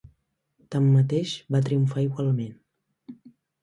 Tanmateix va triomfar igualment.